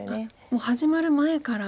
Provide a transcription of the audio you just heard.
もう始まる前から。